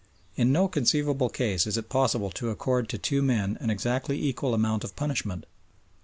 In no conceivable case is it possible to accord to two men an exactly equal amount of punishment.